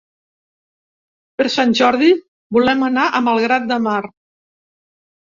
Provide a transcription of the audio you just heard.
Per Sant Jordi volem anar a Malgrat de Mar.